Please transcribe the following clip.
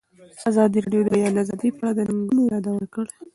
ازادي راډیو د د بیان آزادي په اړه د ننګونو یادونه کړې.